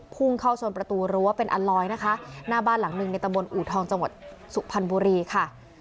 พุ่งเข้าชนประตูรั้วเป็นอันลอยนะคะหน้าบ้านหลังหนึ่งในตะบนอูทองจังหวัดสุพรรณบุรีค่ะ